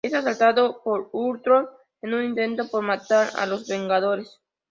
Es asaltado por Ultron en un intento por matar a los Vengadores.